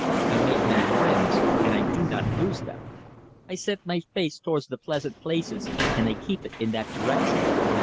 I make many friends, and I do not lose them. I set my face towards the pleasant places, and I keep it in that direction.